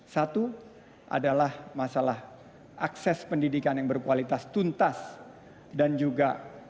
satu adalah masalah akses pendidikan yang berkualitas tuntas dan juga